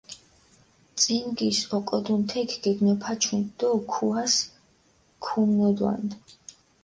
წინგის ოკოდუნ თექ გეგნოფაჩუნდჷ დო ქუას ქუმნოდვანდჷ.